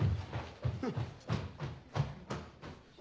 フッ。